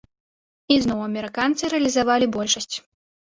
І зноў амерыканцы рэалізавалі большасць.